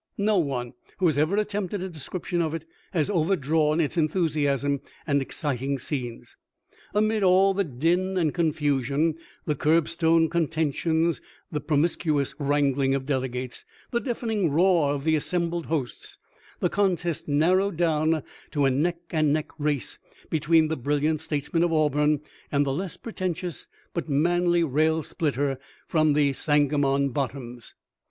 No one who has ever attempted a description of it has overdrawn its enthusiasm and exciting scenes. Amid all the din and confusion, the curbstone contentions, the pro miscuous wrangling of delegates, the deafening roar of the assembled hosts, the contest narrowed down to a neck and neck race between the brilliant states man of Auburn and the less pretentious, but manly rail splitter from the Sangamon bottoms.